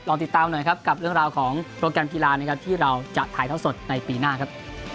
ติดตามหน่อยครับกับเรื่องราวของโปรแกรมกีฬานะครับที่เราจะถ่ายเท่าสดในปีหน้าครับ